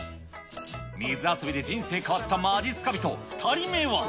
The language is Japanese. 水遊びで人生変わったまじっすか人、２人目は。